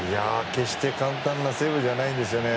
決して簡単なセーブじゃないんですよね。